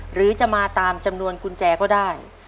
หรือจะมาตามจำนวนกุญแจก็ได้